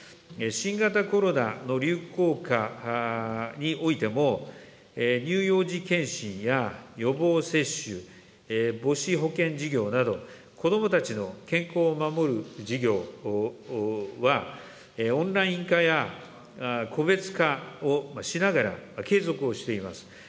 新型コロナの流行下においても、乳幼児健診や予防接種、母子保健事業など、子どもたちの健康を守る事業は、オンライン化や個別化をしながら、継続をしています。